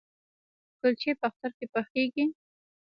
کلچې په اختر کې پخیږي؟